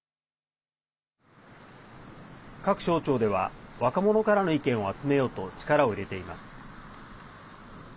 各省庁では、若者からの意見を集めようと力を入れています。